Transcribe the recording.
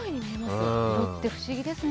色って不思議ですね。